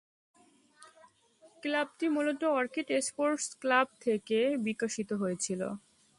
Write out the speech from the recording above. ক্লাবটি মূলত orchid sports club থেকে বিকশিত হয়েছিল।